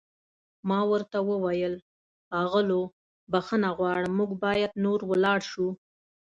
ما ورته وویل: ښاغلو، بښنه غواړم موږ باید نور ولاړ شو.